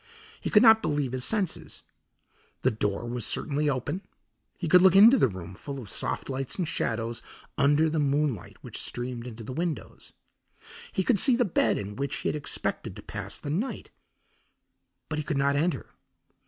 He could not believe his senses. The door was certainly open; he could look into the room full of soft lights and shadows under the moonlight which streamed into the windows. He could see the bed in which he had expected to pass the night, but he could not enter.